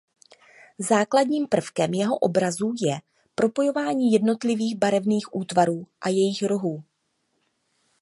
Základním prvkem jeho obrazů je propojování jednotlivých barevných útvarů a jejich rohů.